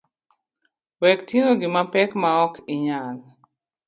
Wekting’o gima pek maok inyal.